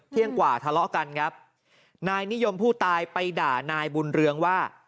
กว่าทะเลาะกันครับนายนิยมผู้ตายไปด่านายบุญเรืองว่า